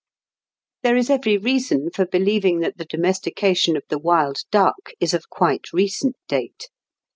] There is every reason for believing that the domestication of the wild duck is of quite recent date.